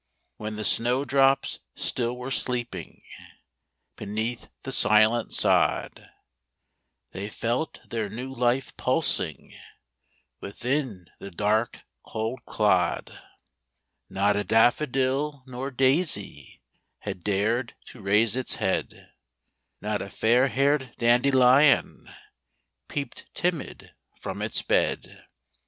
While the snow drops still were sleeping Beneath the silent sod; They felt their new life pulsing Within the dark, cold clod. Not a daffodil nor daisy Had dared to raise its head; Not a fairhaired dandelion Peeped timid from its bed; THE CROCUSES.